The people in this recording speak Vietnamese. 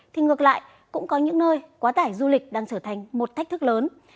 thì ngược lại cũng có những nơi quá tải du lịch đang trở thành một thách thức lớn